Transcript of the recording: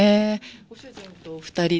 ご主人とお２人で？